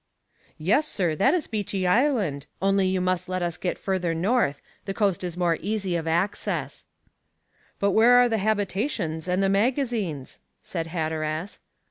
"Yes, sir, that is Beechey Island; only you must let us get further north the coast is more easy of access." "But where are the habitations and the magazines?" said Hatteras.